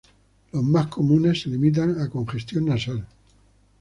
Los más comunes se limitan a congestión nasal.